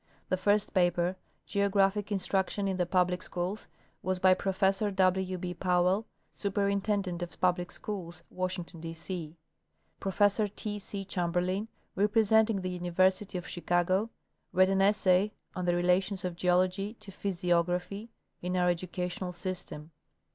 The first paper, " Geographic Instruction in the public Schools," was by Professor W. B. Powell, Superintendent of Public Schools, Washington, D. C. Professor T. C. Chamberlin, representing the University of Chicago, read an essay on " The Relations of Geology to Physi ography in our educational System."